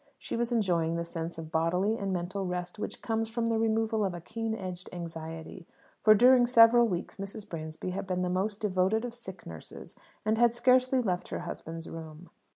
She was enjoying the sense of bodily and mental rest which comes from the removal of a keen edged anxiety; for during several weeks Mrs. Bransby had been the most devoted of sick nurses, and had scarcely left her husband's room.